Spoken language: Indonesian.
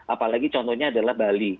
apalagi contohnya adalah bali